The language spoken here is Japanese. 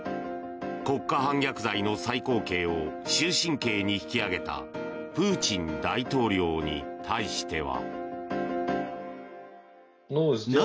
国家反逆罪の最高刑を終身刑に引き上げたプーチン大統領に対しては。